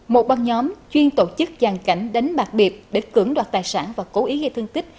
một băng nhóm chuyên tổ chức dàn cảnh đánh bạc biệp để cứng đoạt tài sản và cố ý gây thương tích